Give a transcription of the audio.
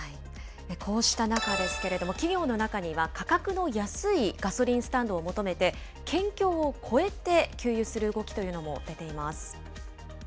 こうした中ですけれども、企業の中には価格の安いガソリンスタンドを求めて、県境を越えて給油する動きというのも出ています。